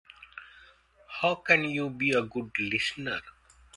How can you be a good listener?